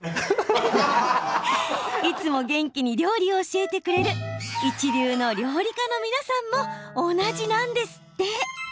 いつも元気に料理を教えてくれる一流の料理家の皆さんも同じなんですって。